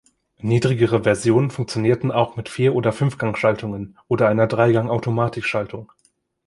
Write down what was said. Niedrigere Versionen funktionierten auch mit Vier- oder Fünfgang-Schaltungen oder einer Dreigang-Automatikschaltung.